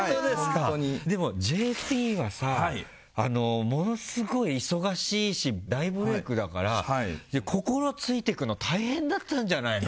でも、ＪＰはさものすごい忙しいし大ブレークだから心ついていくの大変だったんじゃないの？